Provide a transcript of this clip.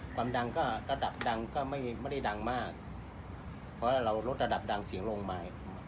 ความดังก็ระดับดังก็ไม่ได้ดังมากเพราะเราลดระดับดังเสียงลงมา